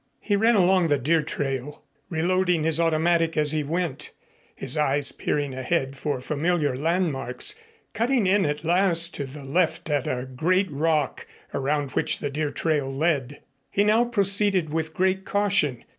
He ran along the deer trail, reloading his automatic as he went, his eyes peering ahead for familiar landmarks, cutting in at last to the left at a great rock around which the deer trail led. He now proceeded with great caution.